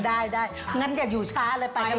ได้งั้นอย่าอยู่ช้าเลยไปกัน